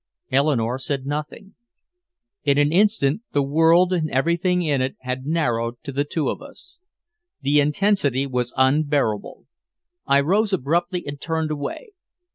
Eleanore said nothing. In an instant the world and everything in it had narrowed to the two of us. The intensity was unbearable. I rose abruptly and turned away.